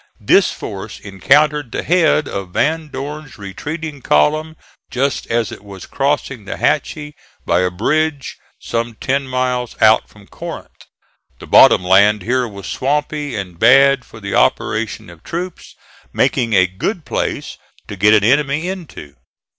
This force encountered the head of Van Dorn's retreating column just as it was crossing the Hatchie by a bridge some ten miles out from Corinth. The bottom land here was swampy and bad for the operations of troops, making a good place to get an enemy into.